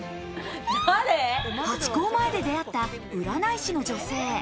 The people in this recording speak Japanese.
ハチ公前で出会った占い師の女性。